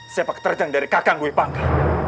siapa keterjang dari kakak gue bangga